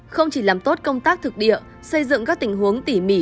không chỉ làm tốt công tác thực địa xây dựng các tình huống tỉ mỉ